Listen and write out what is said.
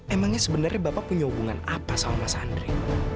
emangnya sebenarnya bapak punya hubungan apa sama mas andre